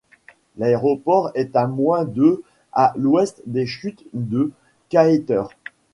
L'aéroport est à moins de à l'ouest des chutes de Kaieteur.